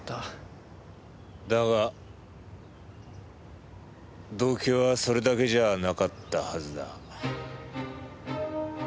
だが動機はそれだけじゃなかったはずだ。